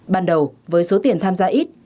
bắn đầu với số tiền tham gia ít